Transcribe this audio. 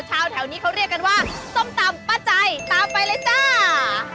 แถวนี้เขาเรียกกันว่าส้มตำป้าใจตามไปเลยจ้า